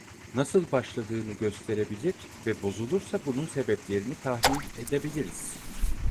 Nasıl başladığını gösterebilir ve bozulursa bunun sebeplerini tahlil edebiliriz.